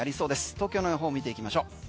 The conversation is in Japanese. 東京の予報を見ていきましょう。